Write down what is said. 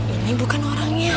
ini bukan orangnya